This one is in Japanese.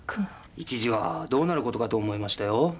一時はどうなる事かと思いましたよ。